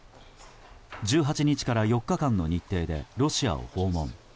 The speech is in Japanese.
１８日から４日間の日程でロシアを訪問。